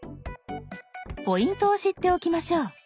ポイントを知っておきましょう。